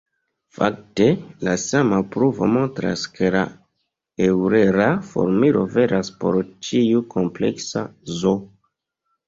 Fakte, la sama pruvo montras ke la eŭlera formulo veras por ĉiu kompleksa "z".